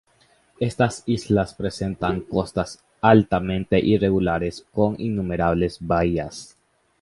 Estas islas presentan costas altamente irregulares con innumerables bahías.